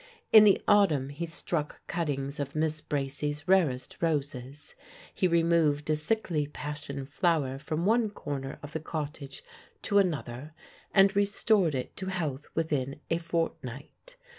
In the autumn he struck cuttings of Miss Bracy's rarest roses; he removed a sickly passion flower from one corner of the cottage to another and restored it to health within a fortnight.